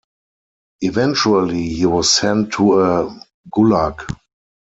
Eventually he was sent to a gulag.